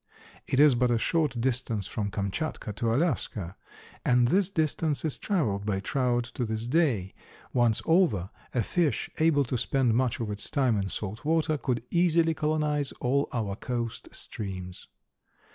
It is but a short distance from Kamchatka to Alaska, and this distance is traveled by trout to this day; once over, a fish able to spend much of its time in salt water could easily colonize all our coast streams.